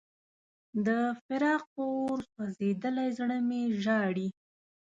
د فراق په اور سوځېدلی زړه مې ژاړي.